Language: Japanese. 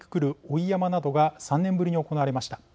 追い山笠などが３年ぶりに行われました。